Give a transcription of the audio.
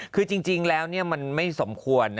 คือจริงแล้วมันไม่สมควร